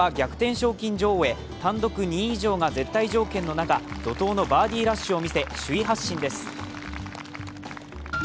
賞金女王へ、単独２位以上が絶対条件の中、怒とうのバーディーラッシュを見せ首位発進です。